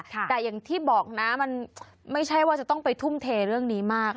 แต่อย่างที่บอกนะมันไม่ใช่ว่าจะต้องไปทุ่มเทเรื่องนี้มาก